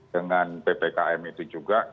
dengan ppkm itu juga